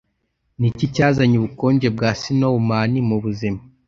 Niki cyazanye Ubukonje bwa Snowman mubuzima